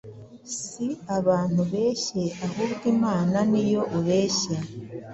Si abantu ubeshye, ahubwo Imana ni yo ubeshye.”